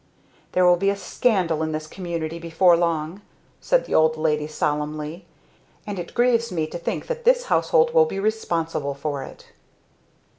"There will be a scandal in this community before long!" said the old lady solemnly. "And it grieves me to think that this household will be responsible for it!"